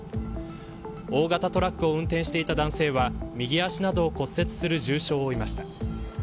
大型トラックを運転していた男性は右足などを骨折する重傷を負いました。